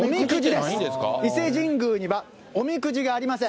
伊勢神宮にはおみくじがありません。